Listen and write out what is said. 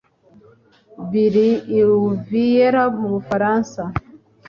biri i Louviers mu Bufaransa